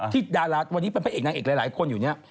ดาราวันนี้เป็นพระเอกนางเอกหลายคนอยู่เนี่ย